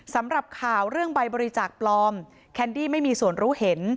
สำหรับข่าวเรื่องใบบริจาคปลอมแคนดี้ไม่มีส่วนรู้เห็น